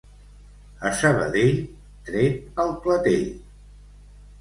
A Sabadell, tret al clatell.